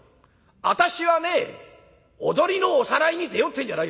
私はね踊りのおさらいに出ようってんじゃないよ。